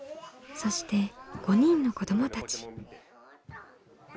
そして５人の子どもたち。